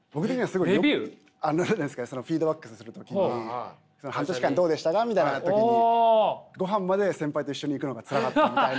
何ですかそのフィードバックする時に半年間どうでしたかみたいな時に「ごはんまで先輩と一緒に行くのがツラかった」みたいな。